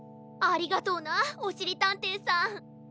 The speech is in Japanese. ありがとうなおしりたんていさん。